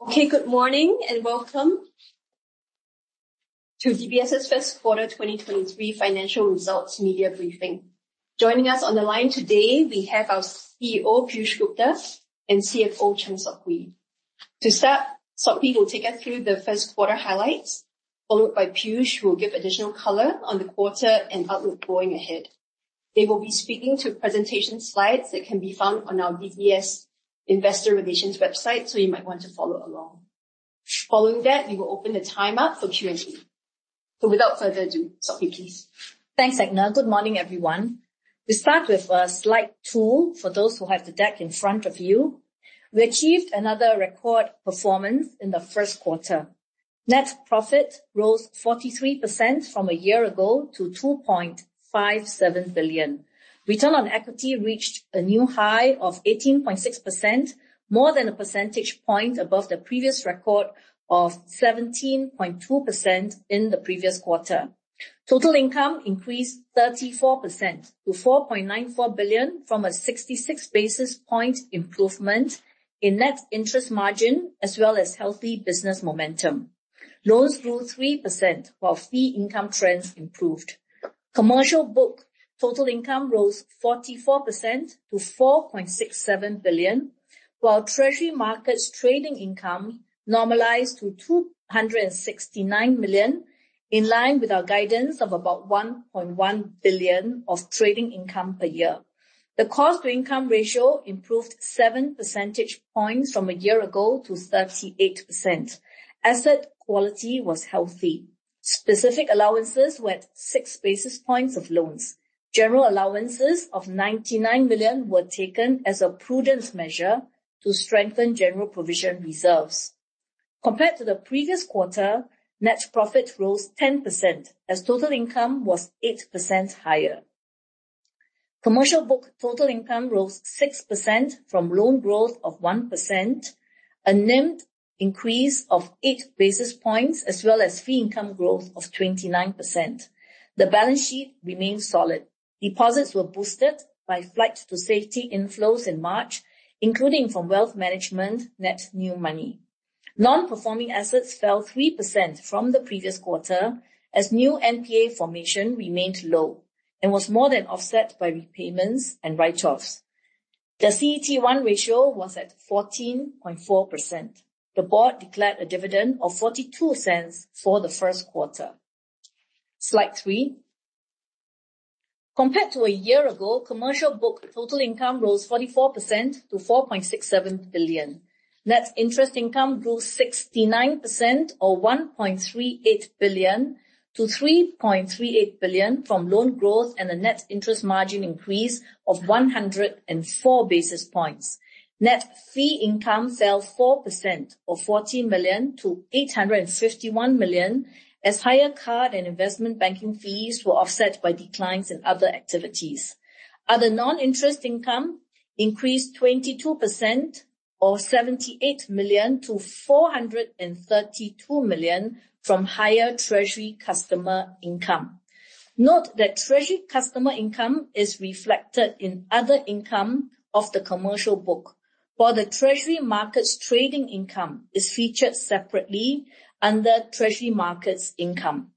Okay, good morning and welcome to DBS First Quarter 2023 Financial Results Media Briefing. Joining us on the line today we have our CEO, Piyush Gupta, and CFO, Chng Sok Hui. To start, Sok Bee will take us through the first quarter highlights, followed by Piyush, who will give additional color on the quarter and outlook going ahead. They will be speaking to presentation slides that can be found on our DBS Investor Relations website, so you might want to follow along. Following that, we will open the time up for Q&A. Without further ado, Sok Bee, please. Thanks, Edna. Good morning, everyone. We start with slide two for those who have the deck in front of you. We achieved another record performance in the first quarter. Net profit rose 43% from a year ago to 2.57 billion. Return on equity reached a new high of 18.6%, more than a percentage point above the previous record of 17.2% in the previous quarter. Total income increased 34% to 4.94 billion from a 66 basis point improvement in net interest margin, as well as healthy business momentum. Loans grew 3% while fee income trends improved. Commercial book total income rose 44% to 4.67 billion, while Treasury & Markets trading income normalized to 269 million, in line with our guidance of about 1.1 billion of trading income per year. The cost-to-income ratio improved 7 percentage points from a year ago to 38%. Asset quality was healthy. Specific allowances were at 6 basis points of loans. General allowances of 99 million were taken as a prudent measure to strengthen general provision reserves. Compared to the previous quarter, net profit rose 10% as total income was 8% higher. Commercial book total income rose 6% from loan growth of 1%, a NIM increase of 8 basis points, as well as fee income growth of 29%. The balance sheet remains solid. Deposits were boosted by flight to safety inflows in March, including from wealth management net new money. Non-performing assets fell 3% from the previous quarter as new NPA formation remained low and was more than offset by repayments and write-offs. The CET1 ratio was at 14.4%. The board declared a dividend of 0.42 for the first quarter. Slide three. Compared to a year ago, commercial book total income rose 44% to 4.67 billion. Net interest income grew 69% or 1.38 billion to 3.38 billion from loan growth and a net interest margin increase of 104 basis points. Net fee income fell 4% or 40 million to 851 million as higher card and investment banking fees were offset by declines in other activities. Other non-interest income increased 22% or 78 million to 432 million from higher treasury customer income. Note that treasury customer income is reflected in other income of the commercial book, while the Treasury & Markets trading income is featured separately under Treasury & Markets income.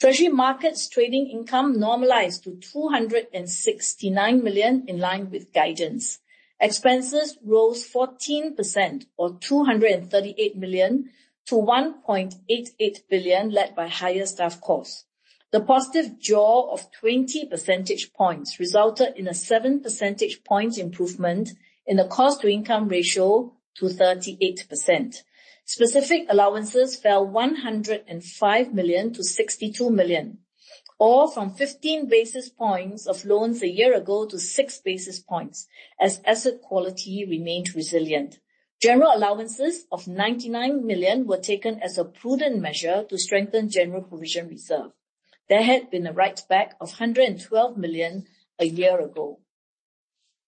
Treasury & Markets trading income normalized to 269 million in line with guidance. Expenses rose 14% or 238 million to 1.88 billion, led by higher staff costs. The positive jaw of 20 percentage points resulted in a 7 percentage points improvement in the cost-to-income ratio to 38%. Specific allowances fell 105 million-62 million, or from 15 basis points of loans a year ago to 6 basis points as asset quality remained resilient. General allowances of 99 million were taken as a prudent measure to strengthen general provision reserve. There had been a write-back of 112 million a year ago.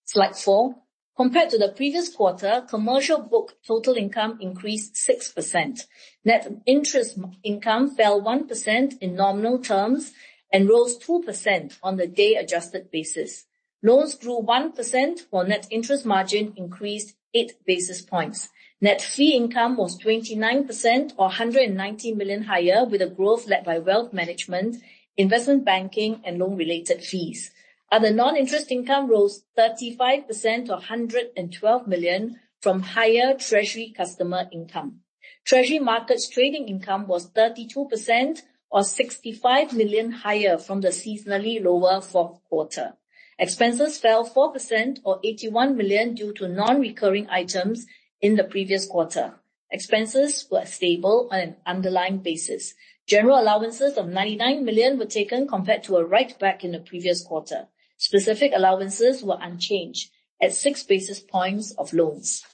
Slide four. Compared to the previous quarter, commercial book total income increased 6%. Net interest income fell 1% in nominal terms and rose 2% on the day-adjusted basis. Loans grew 1%, while net interest margin increased eight basis points. Net fee income was 29% or 190 million higher, with a growth led by wealth management, investment banking, and loan related fees. Other non-interest income rose 35% or 112 million from higher treasury customer income. Treasury & Markets trading income was 32% or 65 million higher from the seasonally lower fourth quarter. Expenses fell 4% or 81 million due to non-recurring items in the previous quarter. Expenses were stable on an underlying basis. General allowances of 99 million were taken compared to a write-back in the previous quarter. Specific allowances were unchanged at 6 basis points of loans.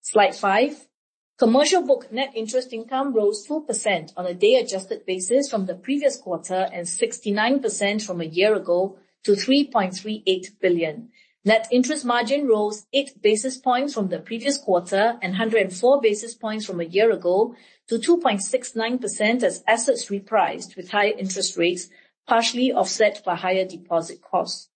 Slide five. Commercial book net interest income rose 2% on a day-adjusted basis from the previous quarter and 69% from a year ago to 3.38 billion. Net interest margin rose 8 basis points from the previous quarter and 104 basis points from a year ago to 2.69% as assets repriced with higher interest rates, partially offset by higher deposit costs.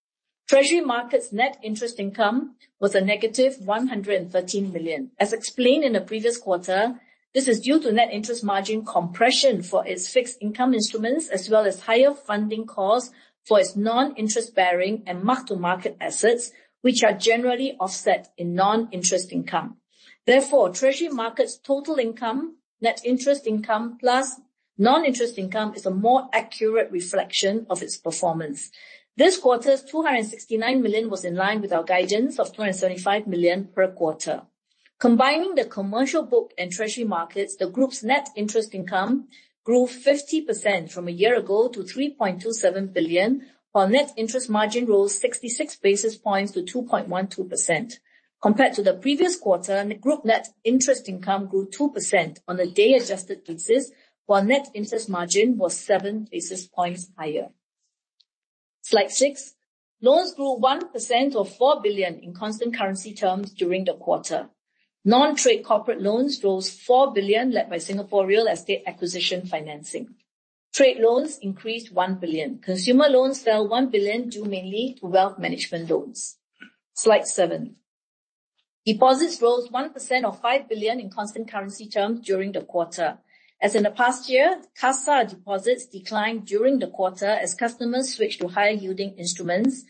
Treasury & Markets' net interest income was a negative 113 million. As explained in the previous quarter, this is due to net interest margin compression for its fixed income instruments, as well as higher funding costs for its non-interest-bearing and mark-to-market assets, which are generally offset in non-interest income. Therefore, Treasury & Markets' total income, net interest income, plus non-interest income is a more accurate reflection of its performance. This quarter's 269 million was in line with our guidance of 275 million per quarter. Combining the commercial book and Treasury & Markets, the group's net interest income grew 50% from a year ago to 3.27 billion, while net interest margin rose 66 basis points to 2.12%. Compared to the previous quarter, group net interest income grew 2% on a day-adjusted basis, while net interest margin was 7 basis points higher. Slide six. Loans grew 1% or 4 billion in constant currency terms during the quarter. Non-trade corporate loans rose 4 billion, led by Singapore real estate acquisition financing. Trade loans increased 1 billion. Consumer loans fell 1 billion, due mainly to wealth management loans. Slide seven. Deposits rose 1% or 5 billion in constant currency terms during the quarter. As in the past year, CASA deposits declined during the quarter as customers switched to higher yielding instruments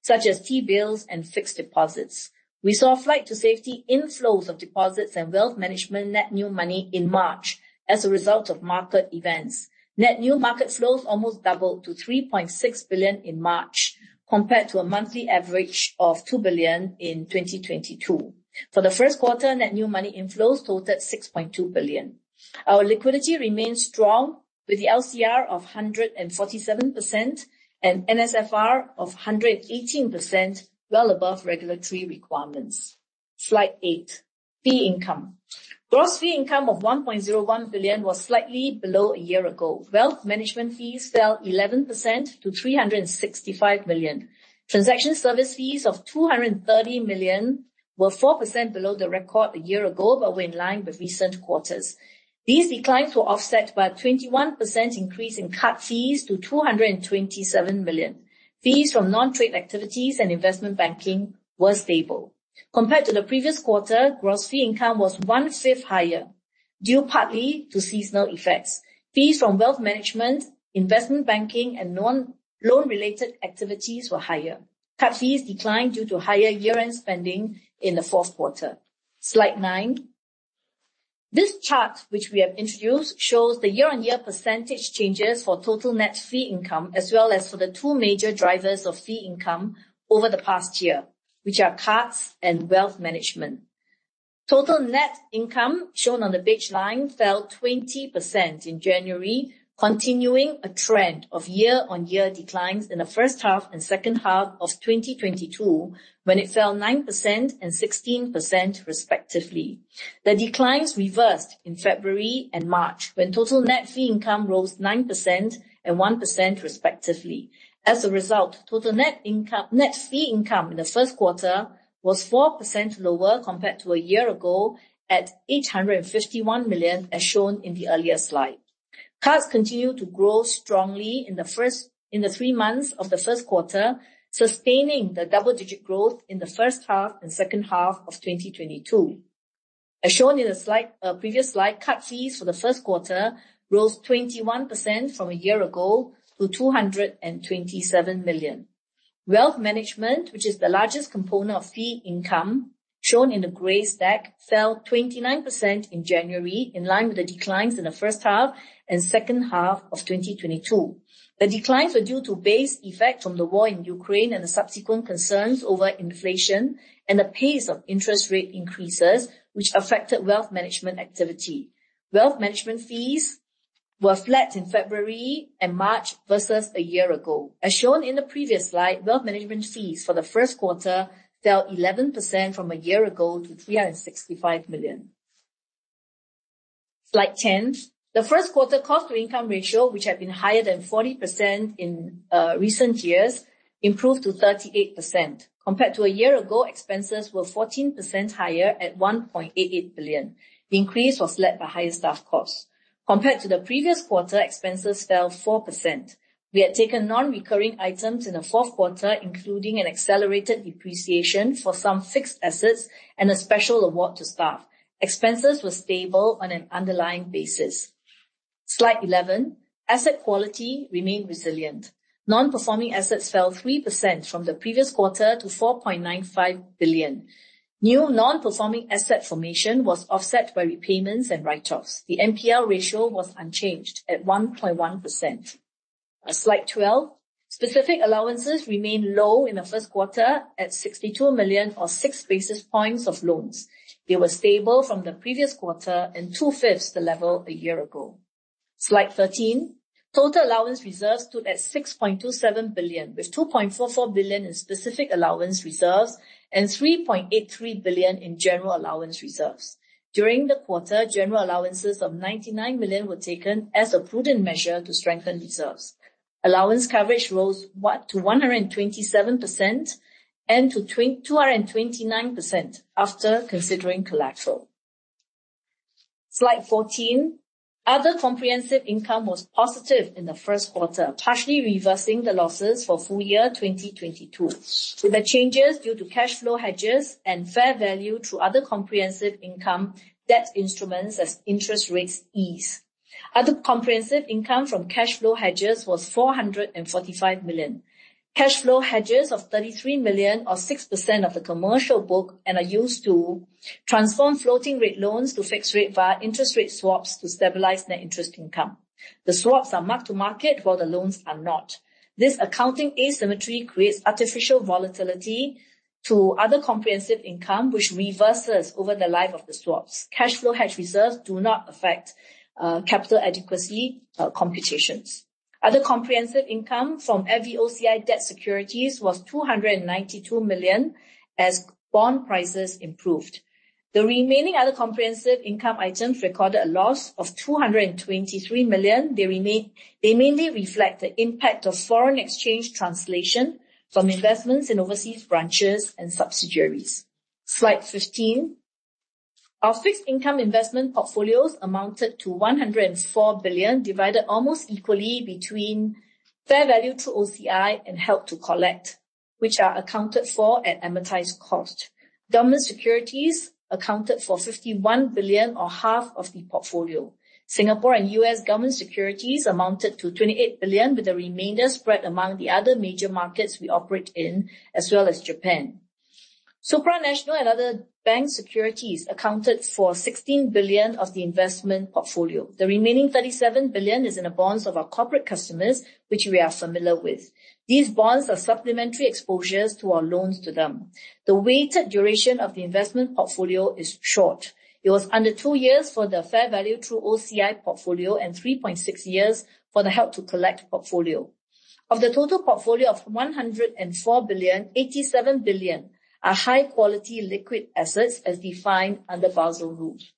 such as T-bills and fixed deposits. We saw a flight to safety inflows of deposits and wealth management net new money in March as a result of market events. Net new market flows almost doubled to 3.6 billion in March, compared to a monthly average of 2 billion in 2022. For the first quarter, net new money inflows totaled 6.2 billion. Our liquidity remains strong with the LCR of 147% and NSFR of 118%, well above regulatory requirements. Slide eight. Fee income. Gross fee income of 1.01 billion was slightly below a year ago. Wealth management fees fell 11% to 365 million. Transaction service fees of 230 million were 4% below the record a year ago, but were in line with recent quarters. These declines were offset by a 21% increase in card fees to 227 million. Fees from non-trade activities and investment banking were stable. Compared to the previous quarter, gross fee income was 1/5 higher, due partly to seasonal effects. Fees from wealth management, investment banking and non-loan related activities were higher. Card fees declined due to higher year-end spending in the fourth quarter. Slide nine. This chart, which we have introduced, shows the year-on-year percentage changes for total net fee income, as well as for the two major drivers of fee income over the past year, which are cards and wealth management. Total net fee income, shown on the beige line, fell 20% in January, continuing a trend of year-on-year declines in the first half and second half of 2022, when it fell 9% and 16% respectively. The declines reversed in February and March, when total net fee income rose 9% and 1% respectively. As a result, total net fee income in the first quarter was 4% lower compared to a year ago at 851 million, as shown in the earlier slide. Cards continued to grow strongly in the first... In the three months of the first quarter, sustaining the double-digit growth in the first half and second half of 2022. As shown in the slide, previous slide, card fees for the first quarter rose 21% from a year ago to 227 million. Wealth management, which is the largest component of fee income shown in the gray stack, fell 29% in January, in line with the declines in the first half and second half of 2022. The declines were due to base effect from the war in Ukraine and the subsequent concerns over inflation and the pace of interest rate increases which affected wealth management activity. Wealth management fees were flat in February and March versus a year ago. As shown in the previous slide, wealth management fees for the first quarter fell 11% from a year ago to 365 million. Slide 10. The first quarter cost to income ratio, which had been higher than 40% in recent years, improved to 38%. Compared to a year ago, expenses were 14% higher at 1.88 billion. The increase was led by higher staff costs. Compared to the previous quarter, expenses fell 4%. We had taken non-recurring items in the fourth quarter, including an accelerated depreciation for some fixed assets and a special award to staff. Expenses were stable on an underlying basis. Slide 11. Asset quality remained resilient. Non-performing assets fell 3% from the previous quarter to 4.95 billion. New non-performing asset formation was offset by repayments and write-offs. The NPL ratio was unchanged at 1.1%. Slide 12. Specific allowances remained low in the first quarter at 62 million or 6 basis points of loans. They were stable from the previous quarter and 2/5 the level a year ago. Slide 13. Total allowance reserves stood at 6.27 billion, with 2.44 billion in specific allowance reserves and 3.83 billion in general allowance reserves. During the quarter, general allowances of 99 million were taken as a prudent measure to strengthen reserves. Allowance coverage rose to 127% and to 229% after considering collateral. Slide 14. Other comprehensive income was positive in the first quarter, partially reversing the losses for full year 2022, with the changes due to cash flow hedges and fair value through other comprehensive income debt instruments as interest rates ease. Other comprehensive income from cash flow hedges was 445 million. Cash flow hedges of 33 million or 6% of the commercial book are used to transform floating rate loans to fixed rate via interest rate swaps to stabilize net interest income. The swaps are mark-to-market while the loans are not. This accounting asymmetry creates artificial volatility to other comprehensive income which reverses over the life of the swaps. Cash flow hedge reserves do not affect capital adequacy computations. Other comprehensive income from FVOCI debt securities was 292 million as bond prices improved. The remaining other comprehensive income items recorded a loss of 223 million. They mainly reflect the impact of foreign exchange translation from investments in overseas branches and subsidiaries. Slide 15. Our fixed income investment portfolios amounted to 104 billion, divided almost equally between fair value through OCI and held to collect, which are accounted for at amortized cost. Government securities accounted for 51 billion or half of the portfolio. Singapore and U.S. government securities amounted to 28 billion, with the remainder spread among the other major markets we operate in, as well as Japan. Supranational and other bank securities accounted for 16 billion of the investment portfolio. The remaining 37 billion is in the bonds of our corporate customers, which we are familiar with. These bonds are supplementary exposures to our loans to them. The weighted duration of the investment portfolio is short. It was under two years for the fair value through OCI portfolio and 3.6 years for the held-to-collect portfolio. Of the total portfolio of 104 billion, 87 billion are high quality liquid assets as defined under Basel rules.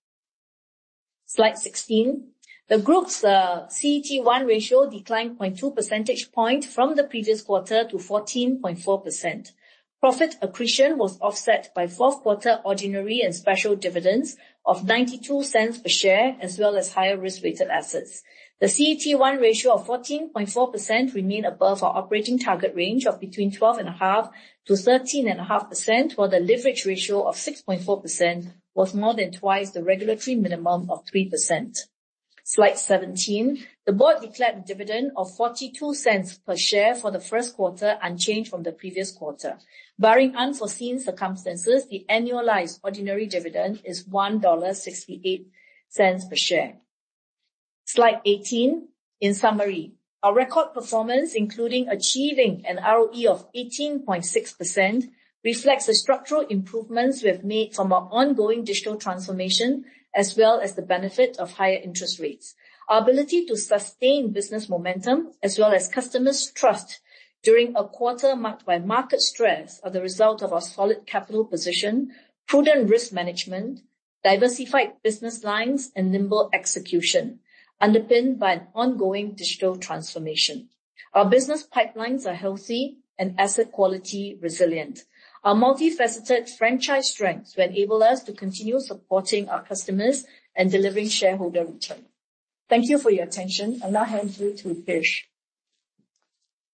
Slide 16. The group's CET1 ratio declined 0.2 percentage point from the previous quarter to 14.4%. Profit accretion was offset by fourth quarter ordinary and special dividends of 0.92 per share, as well as higher risk-rated assets. The CET1 ratio of 14.4% remain above our operating target range of between 12.5% to 13.5%, while the leverage ratio of 6.4% was more than twice the regulatory minimum of 3%. Slide 17. The board declared a dividend of 0.42 per share for the first quarter, unchanged from the previous quarter. Barring unforeseen circumstances, the annualized ordinary dividend is 1.68 dollar per share. Slide 18. In summary, our record performance, including achieving an ROE of 18.6%, reflects the structural improvements we have made from our ongoing digital transformation as well as the benefit of higher interest rates. Our ability to sustain business momentum as well as customers' trust during a quarter marked by market stress are the result of our solid capital position, prudent risk management, diversified business lines, and nimble execution, underpinned by an ongoing digital transformation. Our business pipelines are healthy and asset quality resilient. Our multifaceted franchise strengths will enable us to continue supporting our customers and delivering shareholder return. Thank you for your attention. I'll now hand you to Piyush.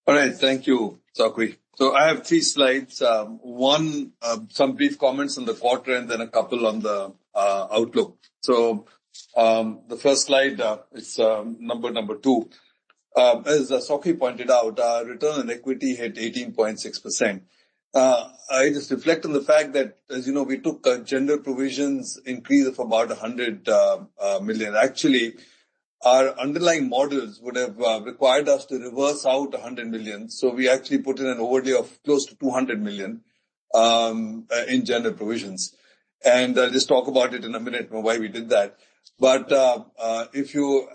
All right, thank you, Sock Wui. I have three slides. Some brief comments on the quarter and then a couple on the outlook. The first slide is number two. As Sock Wui pointed out, our return on equity hit 18.6%. I just reflect on the fact that, as you know, we took general provisions increase of about 100 million. Actually, our underlying models would have required us to reverse out 100 million. We actually put in an overlay of close to 200 million in general provisions. I'll just talk about it in a minute on why we did that. If you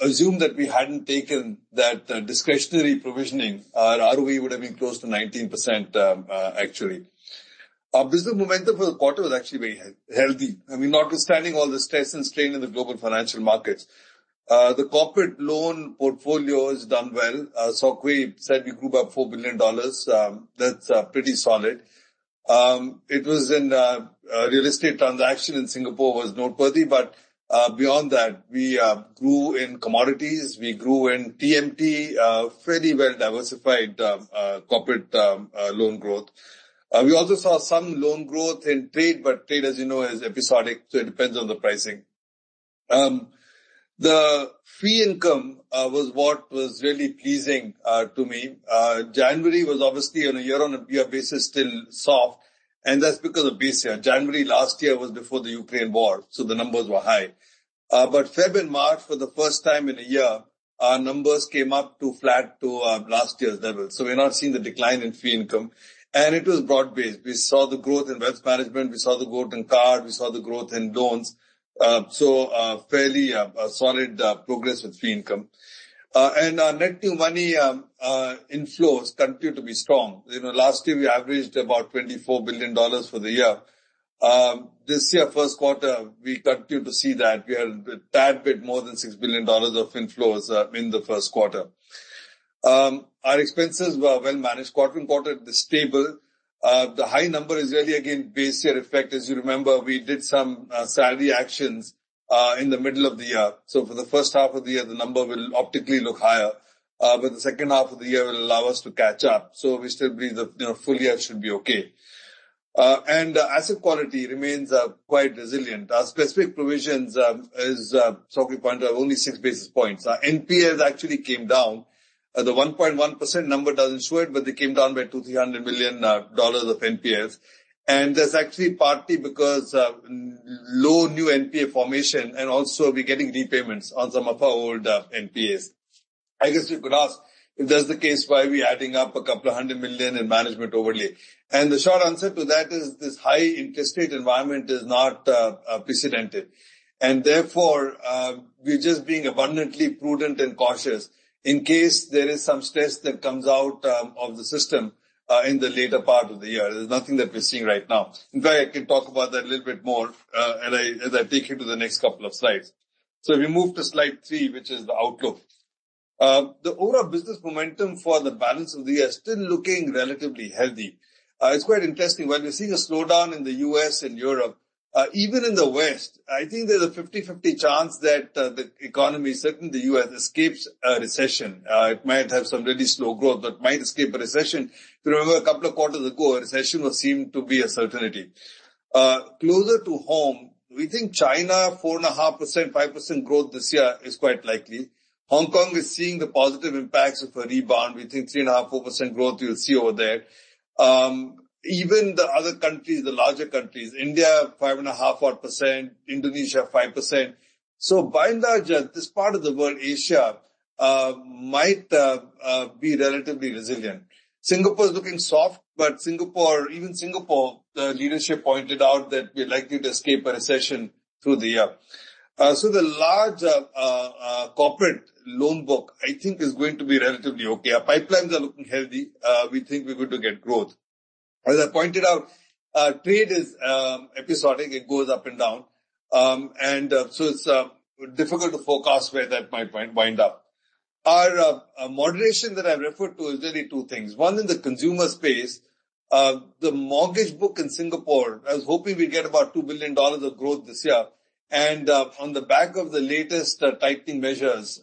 assume that we hadn't taken that discretionary provisioning, our ROE would have been close to 19%, actually. Our business momentum for the quarter was actually very healthy. I mean, notwithstanding all the stress and strain in the global financial markets. The corporate loan portfolio has done well. Sok Hui said we grew by $4 billion. That's pretty solid. It was in a real estate transaction in Singapore that was noteworthy, but beyond that, we grew in commodities, we grew in TMT, fairly well-diversified corporate loan growth. We also saw some loan growth in trade, but trade, as you know, is episodic, so it depends on the pricing. The fee income was what was really pleasing to me. January was obviously on a year-on-year basis still soft, and that's because of base year. January last year was before the Ukraine war, so the numbers were high. February and March for the first time in a year, our numbers came up to flat to last year's level. We're not seeing the decline in fee income. It was broad-based. We saw the growth in wealth management. We saw the growth in card. We saw the growth in loans. Fairly solid progress with fee income. Our net new money inflows continue to be strong. You know, last year we averaged about $24 billion for the year. This year first quarter, we continue to see that. We are a tad bit more than $6 billion of inflows in the first quarter. Our expenses were well managed. Quarter-on-quarter they're stable. The high number is really, again, base year effect. As you remember, we did some salary actions in the middle of the year. For the first half of the year the number will optically look higher, but the second half of the year will allow us to catch up. We still believe the, you know, full year should be okay. Asset quality remains quite resilient. Our specific provisions, as Chng Sok Hui pointed out, only 6 basis points. Our NPAs actually came down. The 1.1% number doesn't show it, but they came down by 200 million-300 million dollars of NPAs. That's actually partly because of low new NPA formation and also we're getting repayments on some of our older NPAs. I guess you could ask, if that's the case, why are we adding up 200 million in management overlay? The short answer to that is this high interest rate environment is not unprecedented and therefore, we're just being abundantly prudent and cautious in case there is some stress that comes out of the system in the later part of the year. There's nothing that we're seeing right now. In fact, I can talk about that a little bit more as I take you to the next couple of slides. If you move to slide three, which is the outlook. The overall business momentum for the balance of the year is still looking relatively healthy. It's quite interesting. While we're seeing a slowdown in the U.S. and Europe, even in the West, I think there's a 50/50 chance that the economy, certainly the U.S., escapes a recession. It might have some really slow growth, but might escape a recession. If you remember a couple of quarters ago, a recession was seen to be a certainty. Closer to home, we think China 4.5%-5% growth this year is quite likely. Hong Kong is seeing the positive impacts of a rebound. We think 3.5%-4% growth you'll see over there. Even the other countries, the larger countries, India 5.5%-4%, Indonesia 5%. So by and large, this part of the world, Asia, might be relatively resilient. Singapore is looking soft, but Singapore... Even Singapore, the leadership pointed out that we're likely to escape a recession through the year. The large corporate loan book I think is going to be relatively okay. Our pipelines are looking healthy. We think we're going to get growth. As I pointed out, trade is episodic. It goes up and down. It's difficult to forecast where that might wind up. Our moderation that I referred to is really two things. One in the consumer space. The mortgage book in Singapore, I was hoping we'd get about 2 billion dollars of growth this year and, on the back of the latest tightening measures,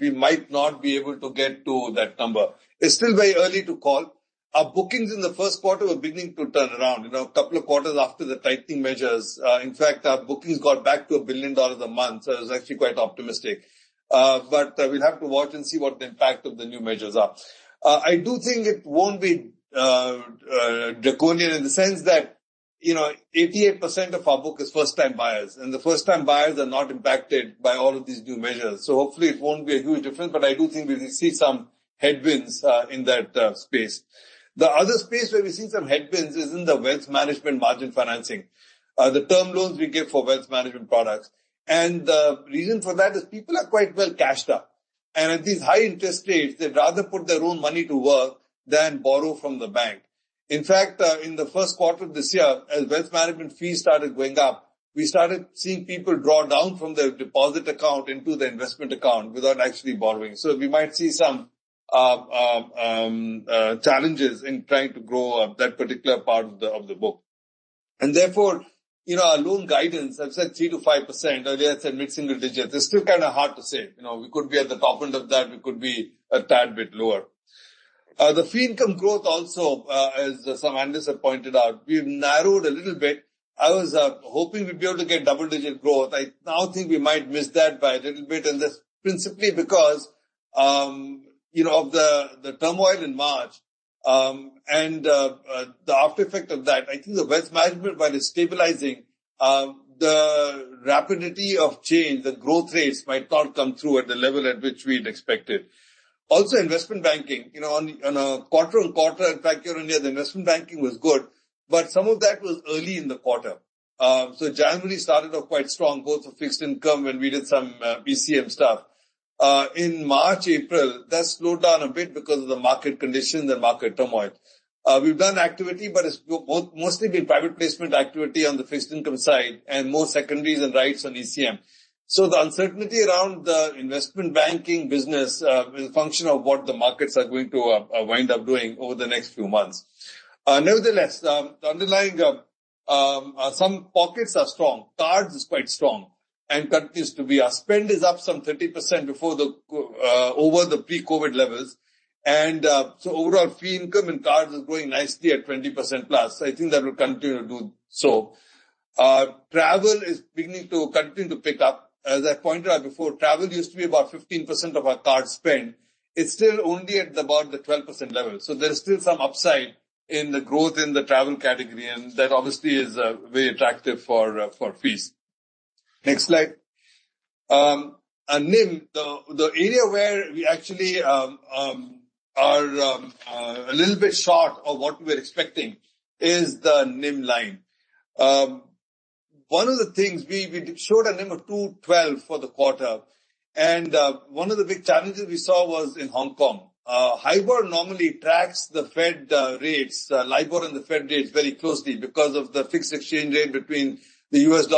we might not be able to get to that number. It's still very early to call. Our bookings in the first quarter were beginning to turn around in a couple of quarters after the tightening measures. In fact, our bookings got back to 1 billion dollars a month, so it was actually quite optimistic. We'll have to watch and see what the impact of the new measures are. I do think it won't be draconian in the sense that, you know, 88% of our book is first-time buyers, and the first-time buyers are not impacted by all of these new measures, so hopefully it won't be a huge difference, but I do think we will see some headwinds in that space. The other space where we've seen some headwinds is in the wealth management margin financing, the term loans we give for wealth management products. The reason for that is people are quite well cashed up, and at these high interest rates they'd rather put their own money to work than borrow from the bank. In fact, in the first quarter of this year, as wealth management fees started going up, we started seeing people draw down from their deposit account into their investment account without actually borrowing. We might see some challenges in trying to grow up that particular part of the book. Therefore, you know, our loan guidance, I've said 3%-5%, earlier I said mid-single digits. It's still kind of hard to say. You know, we could be at the top end of that, we could be a tad bit lower. The fee income growth also, as some analysts have pointed out, we've narrowed a little bit. I was hoping we'd be able to get double-digit growth. I now think we might miss that by a little bit, and that's principally because, you know, of the turmoil in March, and the aftereffect of that. I think the wealth management, while it is stabilizing, the rapidity of change, the growth rates might not come through at the level at which we'd expected. Also, investment banking, you know, on a quarter-over-quarter, some of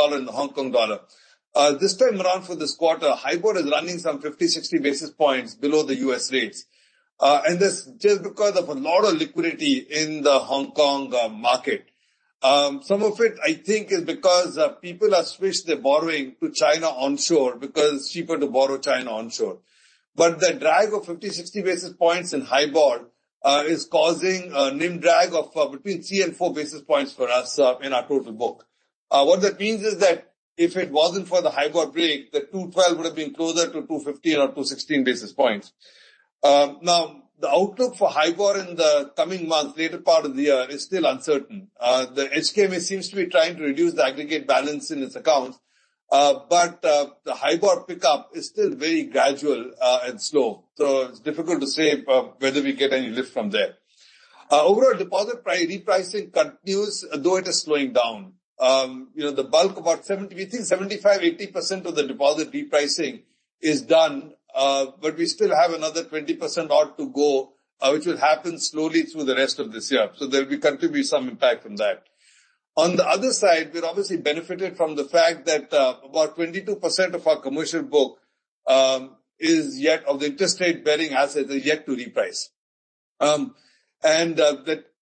it I think is because, people have switched their borrowing to China onshore because it's cheaper to borrow China onshore. The drive of 50, 60 basis points in HIBOR is causing a NIM drag of between 3 and 4 basis points for us in our total book. What that means is that if it wasn't for the HIBOR break, the 212 would have been closer to 215 or 216 basis points. Now, the outlook for HIBOR in the coming months, later part of the year is still uncertain. The HKMA seems to be trying to reduce the aggregate balance in its accounts, but the HIBOR pickup is still very gradual and slow. It's difficult to say whether we get any lift from there. Overall deposit repricing continues, though it is slowing down. You know, the bulk, about 70, we think 75%-80% of the deposit repricing is done, but we still have another 20% to go, which will happen slowly through the rest of this year. There will continue to be some impact from that. On the other side, we've obviously benefited from the fact that about 22% of our commercial book of the interest rate-bearing assets is yet to reprice.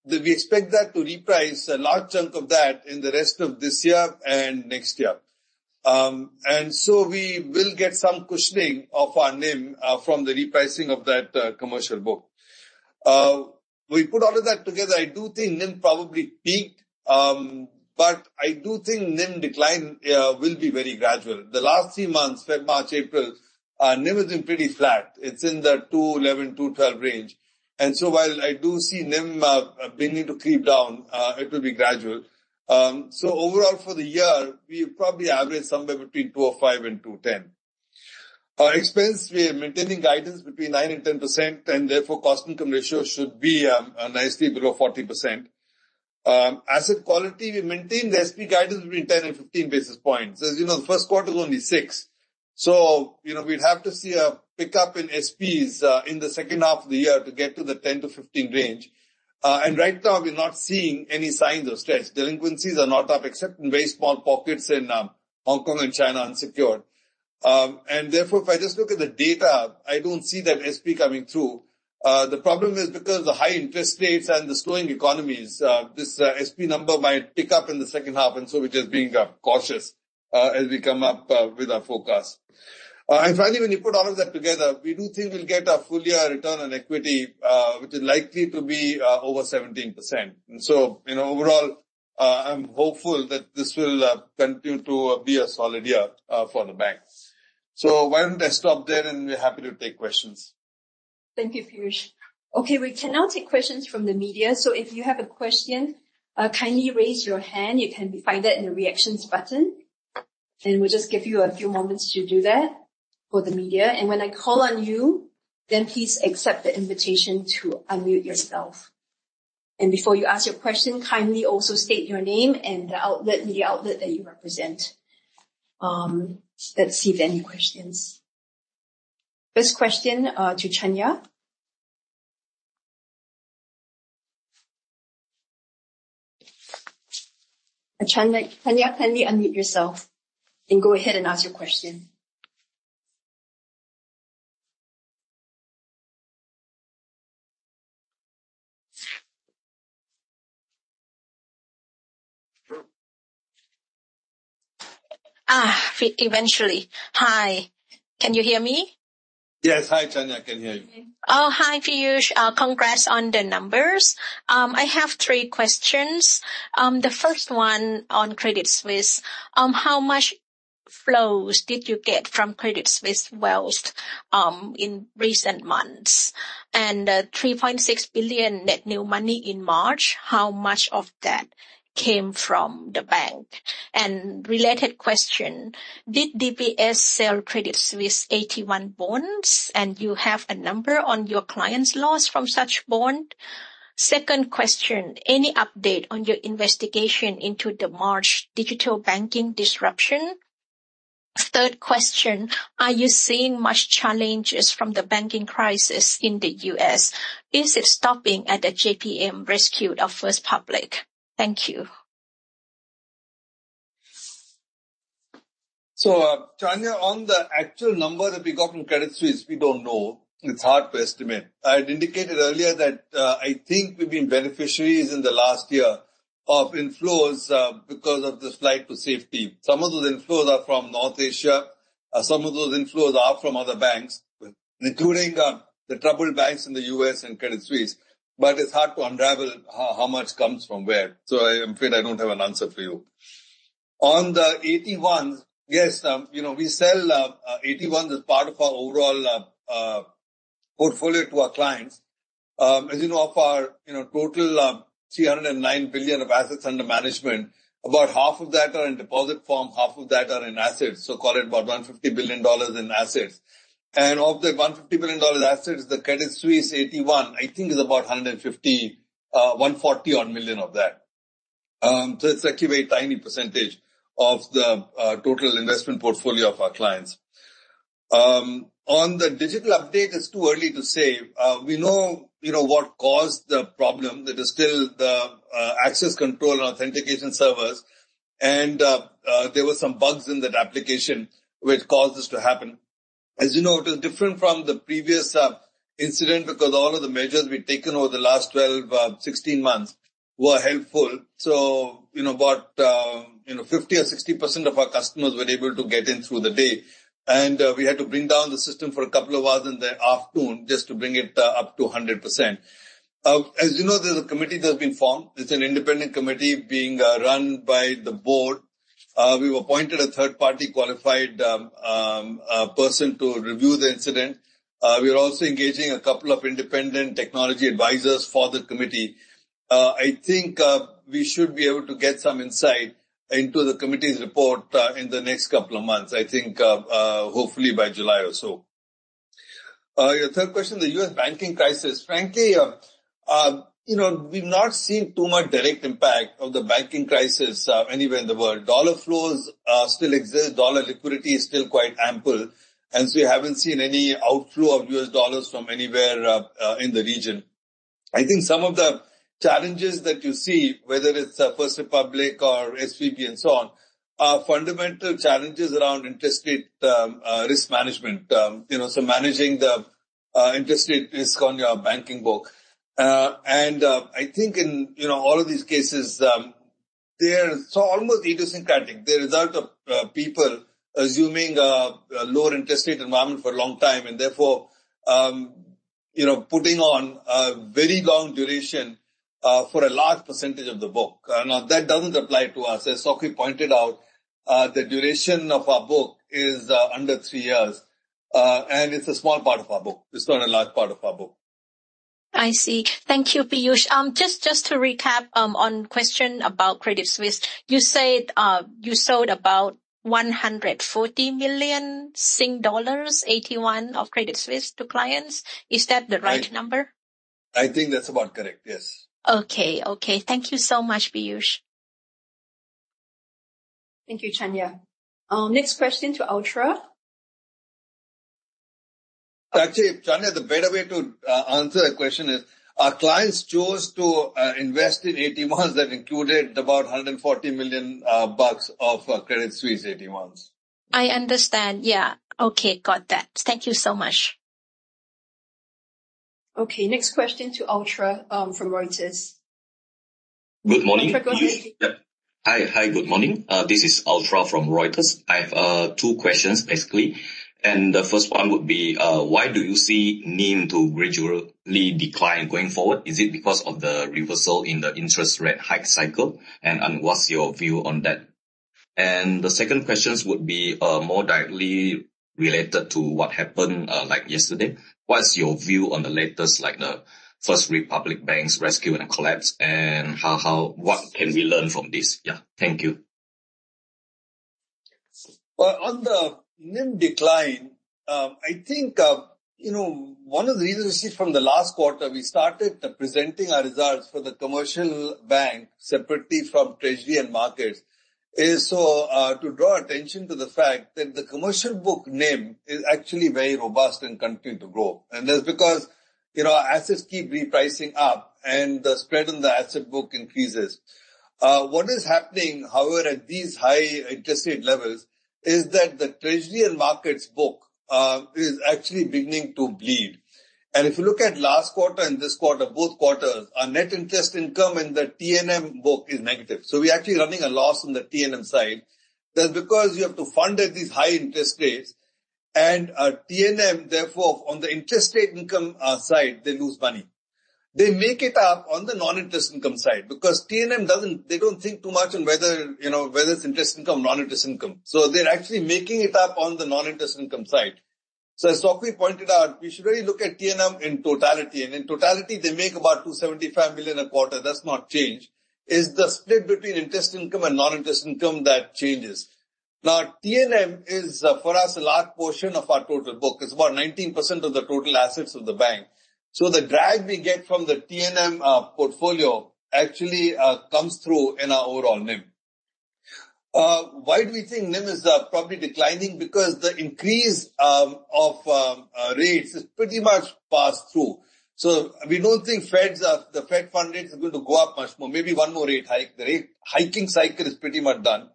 We expect that to reprice a large chunk of that in the rest of this year and next year. We will get some cushioning of our NIM from the repricing of that commercial book. We put all of that together, I do think NIM probably peaked, but I do think NIM decline will be very gradual. The last three months, February, March, April, NIM has been pretty flat. It's in the 2.11-2.12 range. While I do see NIM beginning to creep down, it will be gradual. Overall for the year, we probably average somewhere between 2.05% and 2.10%. Our expense, we are maintaining guidance between 9%-10%, and therefore cost income ratio should be nicely below 40%. Asset quality, we maintain the SP guidance between 10-15 basis points. As you know, the first quarter is only six. You know, we'd have to see a pickup in SPs in the second half of the year to get to the 10-15 range. Right now we're not seeing any signs of stress. Delinquencies are not up except in very small pockets in Hong Kong and China unsecured. Therefore, if I just look at the data, I don't see that SP coming through. The problem is because the high interest rates and the slowing economies, this SP number might pick up in the second half, and so we're just being cautious as we come up with our forecast. Finally, when you put all of that together, we do think we'll get a full year return on equity, which is likely to be over 17%. You know, overall, I'm hopeful that this will continue to be a solid year for the bank. Why don't I stop there and be happy to take questions? Thank you, Piyush. Okay, we can now take questions from the media. If you have a question, kindly raise your hand. You can find that in the reactions button. We'll just give you a few moments to do that for the media. When I call on you, please accept the invitation to unmute yourself. Before you ask your question, kindly also state your name and the media outlet that you represent. Let's see if there are any questions. First question to Chanya. Chanya, kindly unmute yourself and go ahead and ask your question. Eventually. Hi, can you hear me? Yes. Hi, Chanya. I can hear you. Oh, hi, Piyush. Congrats on the numbers. I have three questions. The first one on Credit Suisse. How much flows did you get from Credit Suisse wealth in recent months? 3.6 billion net new money in March, how much of that came from the bank? Related question. Did DBS sell Credit Suisse AT1 bonds and do you have a number on your client's loss from such bond? Second question. Any update on your investigation into the March digital banking disruption? Third question. Are you seeing much challenges from the banking crisis in the U.S.? Is it stopping at a JPM rescue of First Republic? Thank you. Chanya, on the actual number that we got from Credit Suisse, we don't know. It's hard to estimate. I had indicated earlier that, I think we've been beneficiaries in the last year of inflows, because of this flight to safety. Some of those inflows are from North Asia, some of those inflows are from other banks, including, the troubled banks in the U.S. and Credit Suisse. It's hard to unravel how much comes from where. I'm afraid I don't have an answer for you. On the AT1s, yes, you know, we sell, AT1s as part of our overall, portfolio to our clients. As you know, of our, you know, total 309 billion of assets under management, about half of that are in deposit form, half of that are in assets, so call it about $150 billion in assets. Of the $150 billion in assets, the Credit Suisse AT1, I think is about a hundred and fifty, one forty odd million of that. So it's actually a tiny percentage of the total investment portfolio of our clients. On the digital update, it's too early to say. We know, you know, what caused the problem. That is still the access control and authentication servers. There were some bugs in that application which caused this to happen. As you know, it was different from the previous incident because all of the measures we've taken over the last 16 months were helpful. In about, you know, 50% or 60% of our customers were able to get in through the day. We had to bring down the system for a couple of hours in the afternoon just to bring it up to 100%. As you know, there's a committee that's been formed. It's an independent committee being run by the board. We've appointed a third-party qualified person to review the incident. We are also engaging a couple of independent technology advisors for the committee. I think we should be able to get some insight into the committee's report in the next couple of months. I think hopefully by July or so. Your third question, the U.S. banking crisis. Frankly, you know, we've not seen too much direct impact of the banking crisis anywhere in the world. Dollar flows still exist, dollar liquidity is still quite ample, and so we haven't seen any outflow of U.S. dollars from anywhere in the region. I think some of the challenges that you see, whether it's First Republic or SVB and so on, are fundamental challenges around interest rate risk management. You know, so managing the interest rate risk on your banking book. I think in you know all of these cases, they are so almost idiosyncratic. They're the result of people assuming a lower interest rate environment for a long time and therefore, you know, putting on a very long duration for a large percentage of the book. Now, that doesn't apply to us. As Sok Hui pointed out, the duration of our book is under three years, and it's a small part of our book. It's not a large part of our book. I see. Thank you, Piyush. Just to recap, on question about Credit Suisse. You said, you sold about 140 million Sing dollars AT1 of Credit Suisse to clients. Is that the right number? I think that's about correct, yes. Okay. Thank you so much, Piyush. Thank you, Chanya. Next question to Yantoultra. Actually, Chanya, the better way to answer that question is our clients chose to invest in AT1s that included about $140 million of Credit Suisse AT1s. I understand, yeah. Okay, got that. Thank you so much. Okay, next question to Yantoultra, from Reuters. Good morning. Yantoultra, go ahead. Good morning. This is Yantoultra from Reuters. I have two questions, basically. The first one would be, why do you see NIM to gradually decline going forward? Is it because of the reversal in the interest rate hike cycle? What's your view on that? The second questions would be more directly related to what happened like yesterday. What's your view on the latest, like the First Republic Bank's rescue and collapse, and what can we learn from this? Yeah. Thank you. Well, on the NIM decline, I think, you know, one of the reasons is from the last quarter we started presenting our results for the commercial bank separately from Treasury & Markets is so, to draw attention to the fact that the commercial book NIM is actually very robust and continue to grow. That's because, you know, our assets keep repricing up and the spread on the asset book increases. What is happening, however, at these high interest rate levels is that the Treasury & Markets book is actually beginning to bleed. If you look at last quarter and this quarter, both quarters, our net interest income in the T&M book is negative. We're actually running a loss on the T&M side. That's because you have to fund at these high interest rates and T&M, therefore, on the interest rate income side, they lose money. They make it up on the non-interest income side because they don't think too much on whether, you know, whether it's interest income or non-interest income, so they're actually making it up on the non-interest income side. As Sok Hui pointed out, we should really look at T&M in totality, and in totality, they make about 275 million a quarter. That's not changed. It's the split between interest income and non-interest income that changes. Now, T&M is, for us, a large portion of our total book. It's about 19% of the total assets of the bank. The drag we get from the T&M portfolio actually comes through in our overall NIM. Why do we think NIM is probably declining? Because the increase of rates has pretty much passed through. We don't think the fed funds rate is going to go up much more. Maybe one more rate hike. The rate hiking cycle is pretty much done.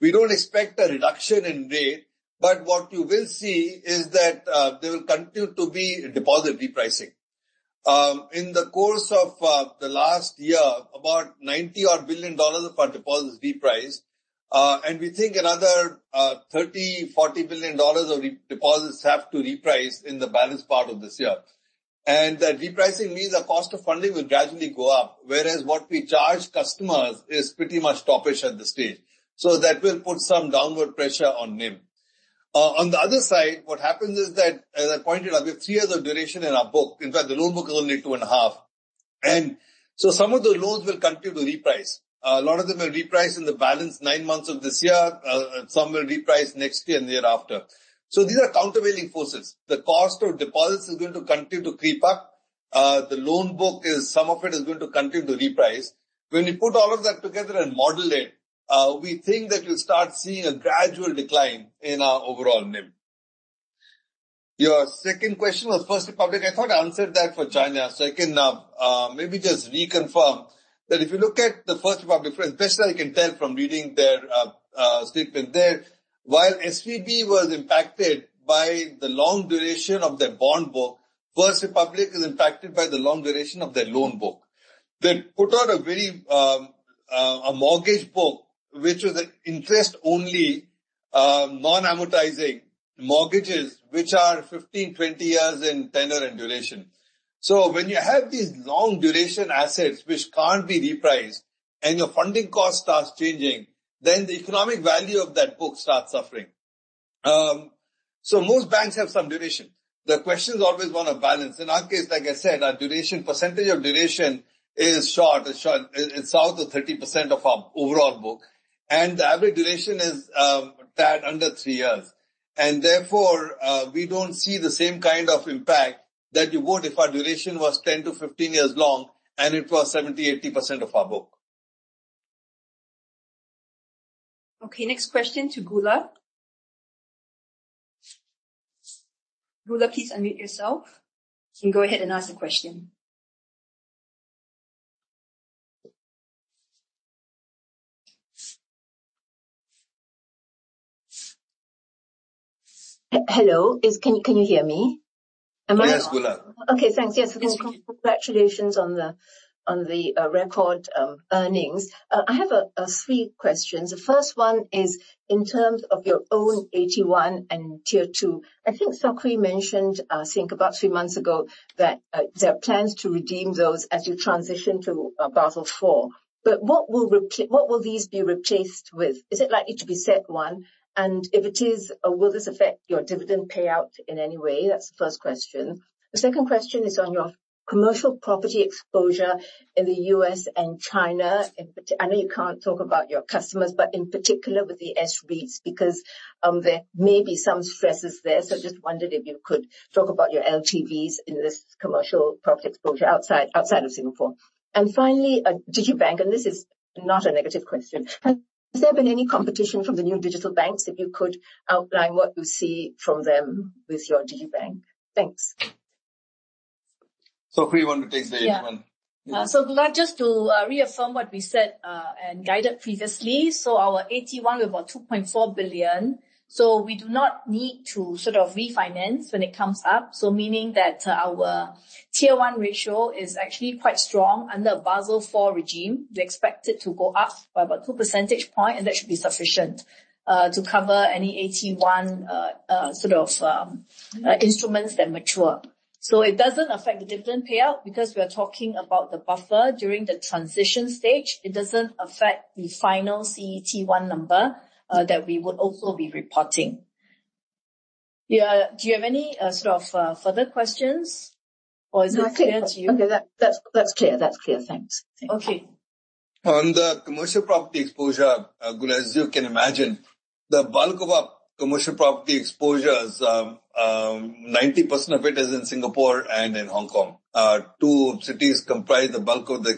We don't expect a reduction in rate, but what you will see is that there will continue to be deposit repricing. In the course of the last year, about 90 billion dollars of our deposits repriced. We think another 30 billion-40 billion dollars of deposits have to reprice in the balance part of this year. That repricing means the cost of funding will gradually go up, whereas what we charge customers is pretty much toppish at this stage. That will put some downward pressure on NIM. On the other side, what happens is that, as I pointed out, we have three years of duration in our book. In fact, the loan book is only two and a half. Some of the loans will continue to reprice. A lot of them will reprice in the balance of nine months of this year, some will reprice next year and thereafter. These are countervailing forces. The cost of deposits is going to continue to creep up. The loan book, some of it is going to continue to reprice. When you put all of that together and model it, we think that you'll start seeing a gradual decline in our overall NIM. Your second question was First Republic. I thought I answered that for Chanya, so I can maybe just reconfirm that if you look at the First Republic, best I can tell from reading their statement there. While SVB was impacted by the long duration of their bond book, First Republic is impacted by the long duration of their loan book. They put out a very a mortgage book, which was an interest-only non-amortizing mortgages, which are 15, 20 years in tenure and duration. When you have these long duration assets which can't be repriced and your funding cost starts changing, then the economic value of that book starts suffering. Most banks have some duration. The question is always one of balance. In our case, like I said, our duration percentage of duration is short. It's short. It's south of 30% of our overall book, and the average duration is under three years. Therefore, we don't see the same kind of impact that you would if our duration was 10-15 years long and it was 70%-80% of our book. Okay, next question to Goola. Goola, please unmute yourself and go ahead and ask the question. Hello. Can you hear me? Am I Yes, Goola. Okay, thanks. Yes. Yes. Congratulations on the record earnings. I have three questions. The first one is in terms of your own AT1 and Tier 2. I think Chng Sok Hui mentioned, I think about three months ago, that there are plans to redeem those as you transition to Basel IV. What will these be replaced with? Is it likely to be CET1? And if it is, will this affect your dividend payout in any way? That's the first question. The second question is on your commercial property exposure in the U.S. and China. I know you can't talk about your customers, but in particular with the S-REITs, because there may be some stresses there. Just wondered if you could talk about your LTVs in this commercial property exposure outside of Singapore. Finally, digibank, and this is not a negative question. Has there been any competition from the new digital banks? If you could outline what you see from them with your digibank. Thanks. Sok Hui, you want to take the first one? Yeah. Goola, just to reaffirm what we said and guided previously. Our AT1, we've got 2.4 billion. We do not need to sort of refinance when it comes up. Meaning that our Tier 1 ratio is actually quite strong. Under Basel IV regime, we expect it to go up by about 2 percentage points, and that should be sufficient to cover any AT1 sort of instruments that mature. It doesn't affect the dividend payout because we are talking about the buffer during the transition stage. It doesn't affect the final CET1 number that we would also be reporting. Yeah. Do you have any sort of further questions or is that clear to you? No, that's clear. That's clear. Thanks. Okay. On the commercial property exposure, Goola, as you can imagine, the bulk of our commercial property exposure is 90% of it in Singapore and in Hong Kong. Two cities comprise the bulk of the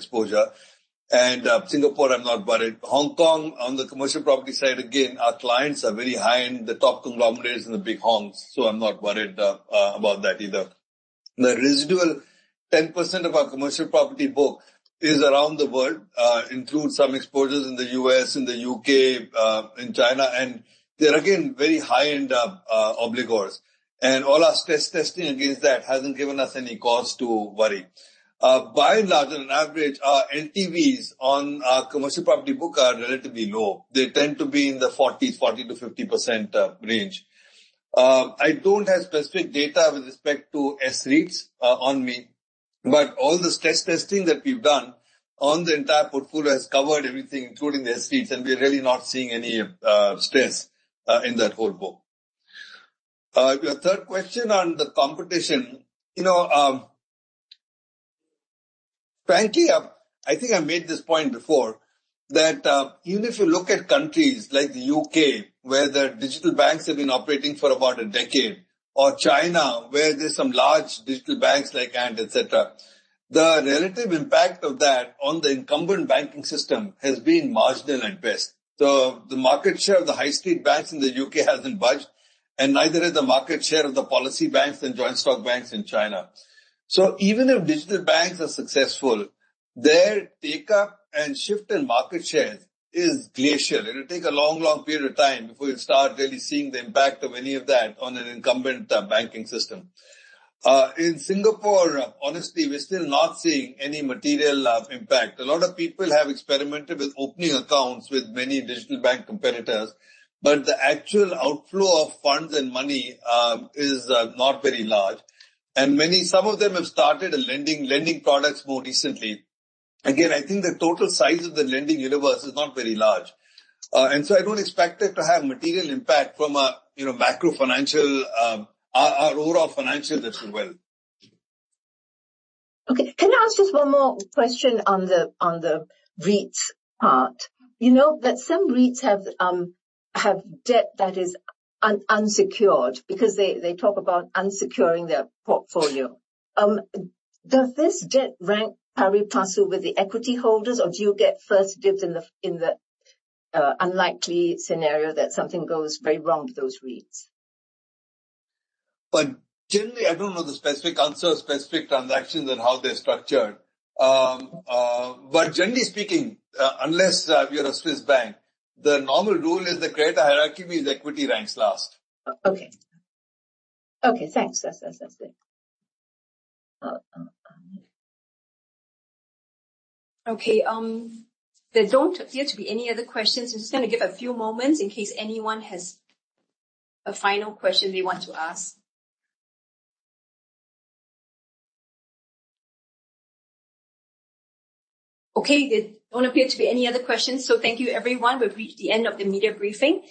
exposure. Singapore, I'm not worried. Hong Kong, on the commercial property side, again, our clients are very high-end, the top conglomerates and the big hongs, so I'm not worried about that either. The residual 10% of our commercial property book is around the world, includes some exposures in the U.S., in the U.K., in China, and they're again, very high-end obligors. All our stress testing against that hasn't given us any cause to worry. By and large and on average, our LTVs on our commercial property book are relatively low. They tend to be in the 40s, 40%-50% range. I don't have specific data with respect to S-REITs on me, but all the stress testing that we've done on the entire portfolio has covered everything, including the S-REITs, and we're really not seeing any stress in that whole book. Your third question on the competition, you know, frankly, I think I made this point before that, even if you look at countries like the U.K. where the digital banks have been operating for about a decade or China, where there's some large digital banks like Ant, et cetera, the relative impact of that on the incumbent banking system has been marginal at best. The market share of the high street banks in the U.K. hasn't budged, and neither has the market share of the policy banks and joint stock banks in China. Even if digital banks are successful, their take-up and shift in market share is glacial. It'll take a long, long period of time before you start really seeing the impact of any of that on an incumbent banking system. In Singapore, honestly, we're still not seeing any material impact. A lot of people have experimented with opening accounts with many digital bank competitors, but the actual outflow of funds and money is not very large. Some of them have started lending products more recently. Again, I think the total size of the lending universe is not very large. I don't expect it to have material impact from a, you know, macro-financial, our overall financial business well. Okay. Can I ask just one more question on the REITs part? You know that some REITs have debt that is unsecured because they talk about unsecuring their portfolio. Does this debt rank pari passu with the equity holders, or do you get first dibs in the unlikely scenario that something goes very wrong with those REITs? Generally, I don't know the specific transactions and how they're structured. Generally speaking, unless you're a Swiss bank, the normal rule is the credit hierarchy means equity ranks last. Okay, thanks. That's it. Okay, there don't appear to be any other questions. I'm just gonna give a few moments in case anyone has a final question they want to ask. Okay. There don't appear to be any other questions. Thank you everyone. We've reached the end of the media briefing.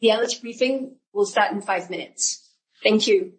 The analyst briefing will start in five minutes. Thank you.